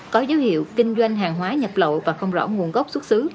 có dấu hiệu kinh doanh hàng hóa nhập lậu và không rõ nguồn gốc xuất xứ